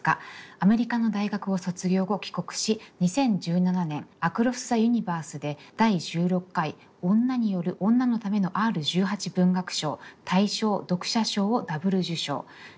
アメリカの大学を卒業後帰国し２０１７年「アクロス・ザ・ユニバース」で第１６回女による女のためのＲ−１８文学賞大賞読者賞をダブル受賞。